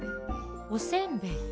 おせんべい？